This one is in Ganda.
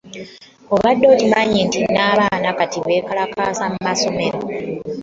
Obadde okimanyi nti kati n'abaana bekalakaasa mu masomero.